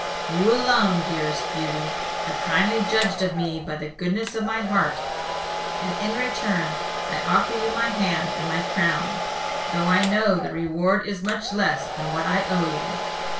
You, alone, dearest Beauty, have kindly judged of me by the goodness of my heart; and in return I offer you my hand and my crown, though I know the reward is much less than what I owe you."